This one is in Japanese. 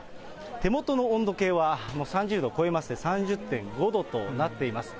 手元の温度計はもう３０度超えまして３０．５度となっています。